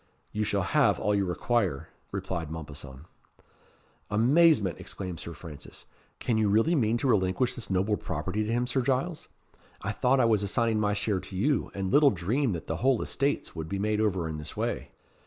"You shall have all you require," replied Mompesson. "Amazement!" exclaimed Sir Francis. "Can you really mean to relinquish this noble property to him, Sir Giles? I thought I was assigning my share to you, and little dreamed that the whole estates would be made over in this way."